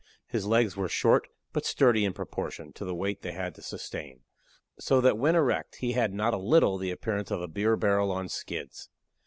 His legs were short, but sturdy in proportion to the weight they had to sustain; so that when erect he had not a little the appearance of a beer barrel on skids.